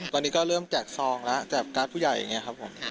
ตอนนี้ก็เริ่มแจกซองแล้วแจกการ์ดผู้ใหญ่อย่างนี้ครับผม